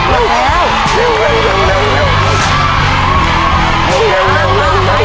ไข่เตียวให้สิ้นแล้วนะครับ